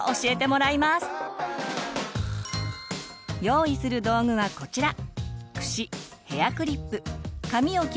用意する道具はこちら。